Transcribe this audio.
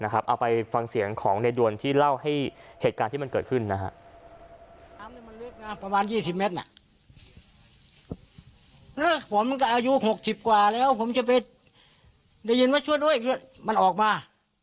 ได้ยินว่าช่วยด้วยมันออกมา